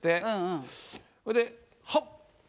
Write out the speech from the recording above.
ほれではっ！